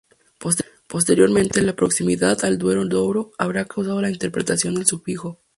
Posteriormente, la proximidad al Duero-Douro habrá causado la reinterpretación del sufijo.